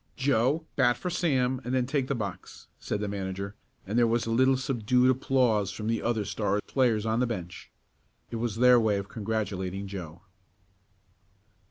"Joe, bat for Sam and then take the box," said the manager, and there was a little subdued applause from the other Star players on the bench. It was their way of congratulating Joe.